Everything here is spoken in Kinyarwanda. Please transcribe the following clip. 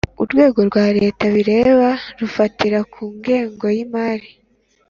Urwego rwa Leta bireba rufatira kugengo y’imari